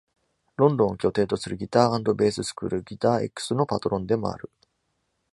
ロンドンを拠点とするギター＆ベーススクール「Guitar-X」のパトロンでもある。